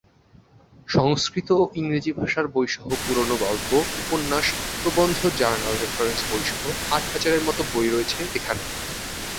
সংস্কৃত ও ইংরেজি ভাষার বই সহ পুরনো গল্প, উপন্যাস, প্রবন্ধ, জার্নাল, রেফারেন্স বই সহ আট হাজারের মতো বই রয়েছে এখানে।